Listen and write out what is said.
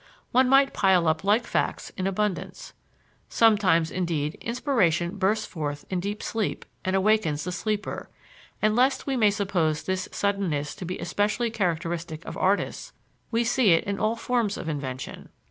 One might pile up like facts in abundance. Sometimes, indeed, inspiration bursts forth in deep sleep and awakens the sleeper, and lest we may suppose this suddenness to be especially characteristic of artists we see it in all forms of invention.